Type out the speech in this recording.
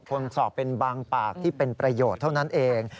ควรสอบเป็นบางปากที่เป็นประโยชน์เท่านั้นเอง